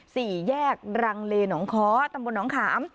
สี่แยกรังเลหนองค้อตำบลหนองขาม